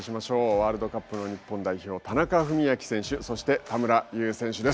ワールドカップの日本代表田中史朗選手そして田村優選手です。